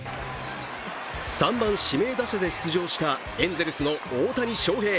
３番・指名打者で出場したエンゼルスの大谷翔平。